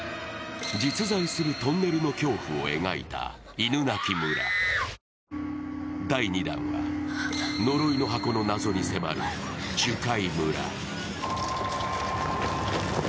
実在するトンネルの恐怖を描いた「犬鳴村」、第２弾は、呪いの箱の謎に迫る「樹海村」。